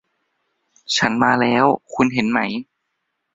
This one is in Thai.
ฉันมาแล้ว คุณเห็นไหม